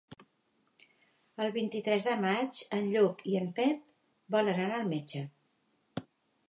El vint-i-tres de maig en Lluc i en Pep volen anar al metge.